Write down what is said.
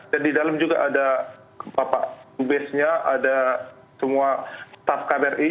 dan di dalam juga ada bapak ubs nya ada semua staff kbri